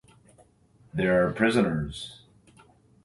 There are prisoners.